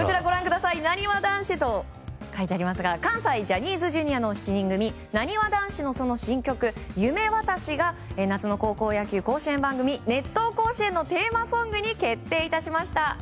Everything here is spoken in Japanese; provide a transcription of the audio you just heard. なにわ男子と書いてありますが関西ジャニーズＪｒ．の７人組なにわ男子の新曲「夢わたし」が夏の高校野球甲子園番組「熱闘甲子園」のテーマソングに決定致しました。